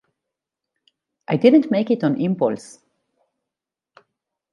I didn't make it on impulse.